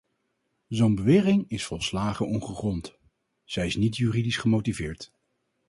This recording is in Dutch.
Zo'n bewering is volslagen ongegrond, zij is niet juridisch gemotiveerd.